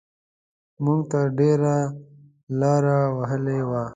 موږ تر ډېره لاره وهلې وه.